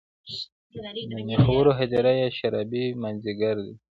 د میخورو هـــــدیره یې شــــــرابي مــــاځیګری دی